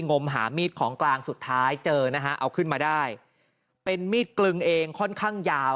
งมหามีดของกลางสุดท้ายเจอนะฮะเอาขึ้นมาได้เป็นมีดกลึงเองค่อนข้างยาว